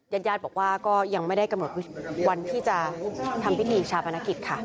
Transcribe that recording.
ญาติญาติบอกว่าก็ยังไม่ได้กำหนดวันที่จะทำพิธีชาปนกิจค่ะ